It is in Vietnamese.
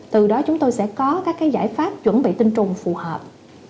từ đó chúng tôi sẽ có các giải pháp chuẩn bị tinh trùng phù hợp